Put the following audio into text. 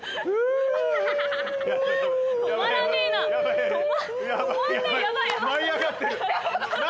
止まらねえな。